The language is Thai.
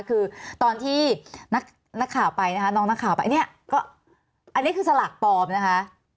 คือตอนที่นักข่าวไปนะคะน้องนักข่าวไปเนี่ยก็อันนี้คือสลากปลอมนะคะ